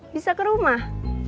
bisa ke rumah